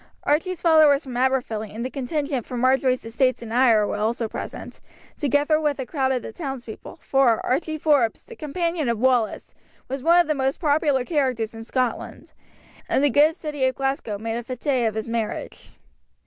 Archie's followers from Aberfilly and the contingent from Marjory's estates in Ayr were also present, together with a crowd of the townspeople, for Archie Forbes, the companion of Wallace, was one of the most popular characters in Scotland, and the good city of Glasgow made a fete of his marriage.